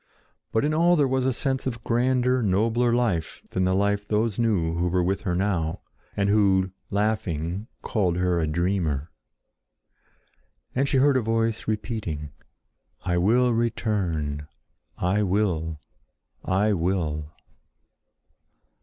But in all there was a sense of grander, nobler life than the life those knew who were with her now, and who, laughing, called her a dreamer. And she heard a voice repeating, "I will return! I will! I will!"